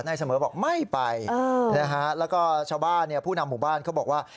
เสมอบอกไม่ไปนะฮะแล้วก็ชาวบ้านเนี่ยผู้นำหมู่บ้านเขาบอกว่า